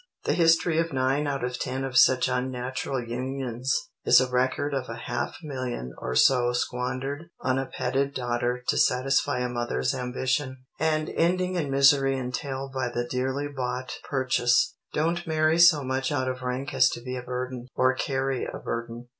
The history of nine out of ten of such unnatural unions is a record of a half million or so squandered on a petted daughter to satisfy a mother's ambition, and ending in misery entailed by the dearly bought purchase. Don't marry so much out of rank as to be a burden, or carry a burden.